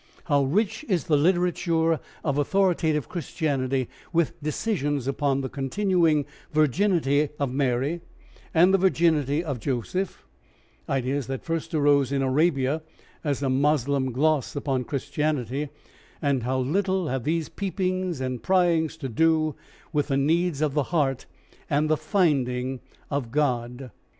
How rich is the literature of authoritative Christianity with decisions upon the continuing virginity of Mary and the virginity of Joseph ideas that first arose in Arabia as a Moslem gloss upon Christianity and how little have these peepings and pryings to do with the needs of the heart and the finding of God!